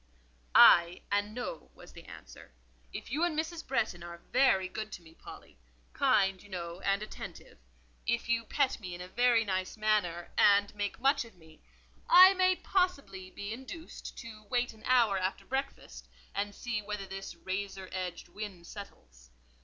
"Ay, and No," was the answer. "If you and Mrs. Bretton are very good to me, Polly—kind, you know, and attentive; if you pet me in a very nice manner, and make much of me, I may possibly be induced to wait an hour after breakfast and see whether this razor edged wind settles.